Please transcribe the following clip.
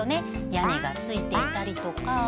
屋根がついていたりとか。